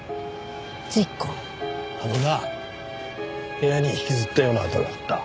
あのな部屋に引きずったような跡があった。